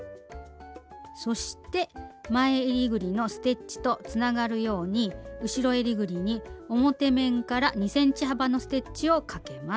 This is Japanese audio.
そして前えりぐりのステッチとつながるように後ろえりぐりに表面から２ｃｍ幅のステッチをかけます。